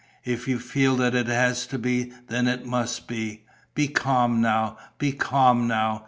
If you feel that it has to be, then it must be. Be calm now, be calm now.